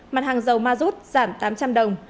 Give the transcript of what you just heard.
mặt hàng dầu mazut giảm tám trăm linh đồng